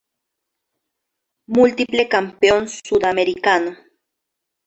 Múltiple Campeón Sudamericano.